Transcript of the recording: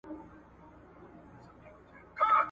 استدلال خپل ځای نیسي.